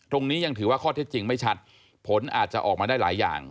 ยังถือว่าข้อเท็จจริงไม่ชัดผลอาจจะออกมาได้หลายอย่าง